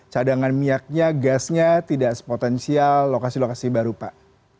cadangan miaknya gasnya tidak sepotensial lokasi lokasi baru pak